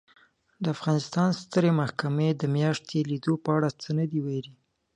د افغانستان سترې محکمې د میاشتې لیدو په اړه څه نه دي ویلي